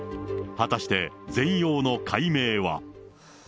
果たして、全容の解明は。